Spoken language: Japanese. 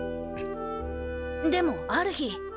でもある日。